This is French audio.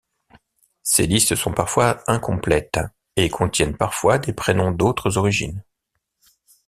Ces listes sont parfois incomplètes, et contiennent parfois des prénoms d'autres origines.